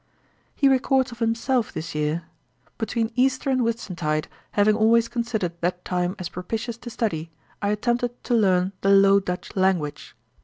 He records of himself this year, 'Between Easter and Whitsuntide, having always considered that time as propitious to study, I attempted to learn the Low Dutch language.'